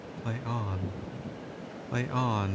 Play on! Play on!